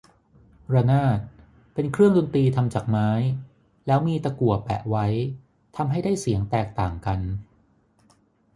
ระนาด เป็นเครื่องดนตรีทำจากไม้ แล้วมีตะกั่วแปะไว้ ทำให้ได้เสียงแตกต่างกัน